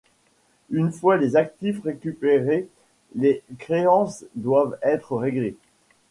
Une fois les actifs récupérés, les créances doivent être réglées.